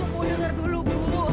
bu denger dulu bu